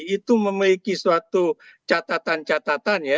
itu memiliki suatu catatan catatan ya